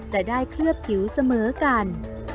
จะได้เคลือบผิวเสมอกัน